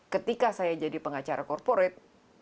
ketika saya jadi pengacara korporate